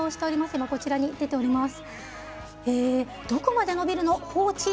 今こちらに出ております。